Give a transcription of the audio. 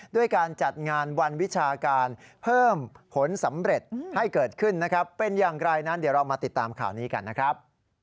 ด้วยการจัดงานวันวิชาการเพิ่มผลสำเร็จให้เกิดขึ้นนะครับ